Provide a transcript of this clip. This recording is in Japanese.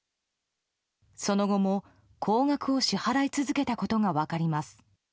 その後も、高額を支払い続けたことが分かります。